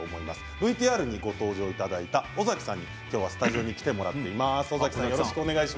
ＶＴＲにご登場いただいた尾崎さんにスタジオに来てもらっています。